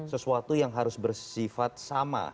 sesuatu yang harus bersifat sama